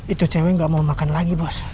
itu cewek gak mau makan lagi bos